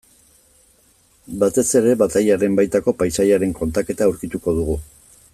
Batez ere batailaren baitako paisaiaren kontaketa aurkituko dugu.